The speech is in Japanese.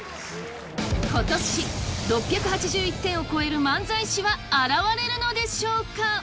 ことし、６８１点を超える漫才師は現れるのでしょうか？